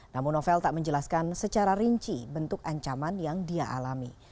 namun novel tak menjelaskan secara rinci bentuk ancaman yang dia alami